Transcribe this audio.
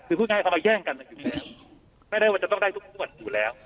คือพูดง่ายเขามาแย่งกันอยู่แล้วไม่ได้ว่าจะต้องได้ทุกงวดอยู่แล้ว